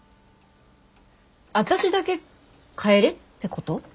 私だけ帰れってこと？